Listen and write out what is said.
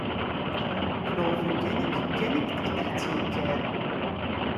Deg leɣben kan i yeggan, i d-yettenkar.